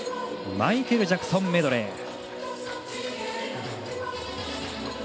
「マイケル・ジャクソンメドレー」。